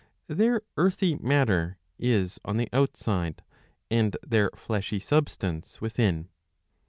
Their earthy matter is on the outside, and their fleshy substance within.